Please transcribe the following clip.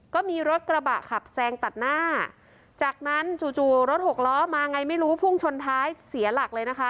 ก็มีรถกระบะขับแซงตัดหน้าจากนั้นจู่จู่รถหกล้อมาไงไม่รู้พุ่งชนท้ายเสียหลักเลยนะคะ